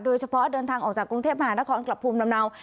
โดยเฉพาะเดินทางออกจากกรุงเทพมหานครกลับภูมิลำเนา